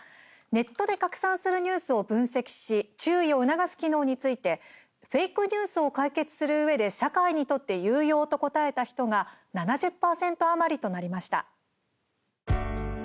ネットで拡散するニュースを分析し、注意を促す機能について「フェイクニュースを解決するうえで社会にとって有用」と答えた人が７０％余りとなりました。